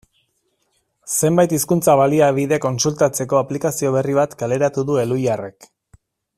Zenbait hizkuntza-baliabide kontsultatzeko aplikazio berri bat kaleratu du Elhuyarrek.